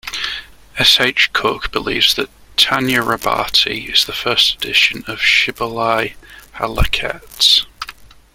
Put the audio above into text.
S. H. Kook believes that "Tanya Rabbati" is the first edition of "Shibbolei ha-Leket".